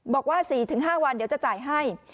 บอกว่า๔๕วันเดี๋ยวจะจ่ายให้